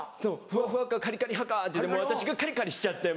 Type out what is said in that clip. ふわふわかカリカリ派かってもう私がカリカリしちゃって。